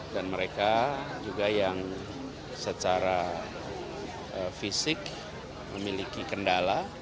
dan mereka juga yang secara fisik memiliki kendala